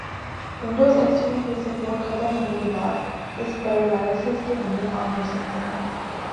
Windows X P کی support ختم ہونے کی بعد اس پر وائرسز کے حملے عام ہوسکتے ہیں